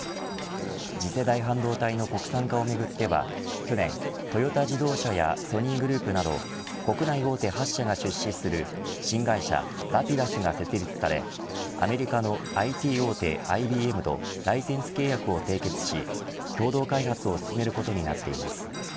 次世代半導体の国産化をめぐっては去年、トヨタ自動車やソニーグループなど国内大手８社が出資する新会社Ｒａｐｉｄｕｓが設立されアメリカのＩＴ大手ＩＢＭとライセンス契約を締結し共同開発を進めることになっています。